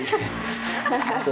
gak usah mandi pak deh